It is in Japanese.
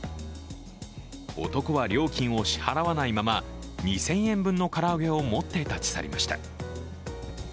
男は料金を支払わないまま２０００円分の唐揚げを持って立ち去りました。